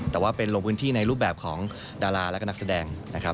แต่ว่าเป็นลงพื้นที่ในรูปแบบของดาราแล้วก็นักแสดงนะครับ